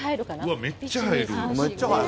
うわ、めっちゃ入る。